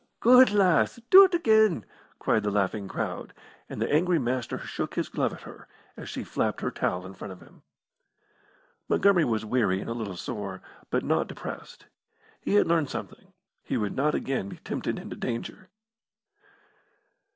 "Good lass. Do't again!" cried the laughing crowd, and the angry Master shook his glove at her, as she flapped her towel in front of him. Montgomery was weary and a little sore, but not depressed. He had learned something. He would not again be tempted into danger.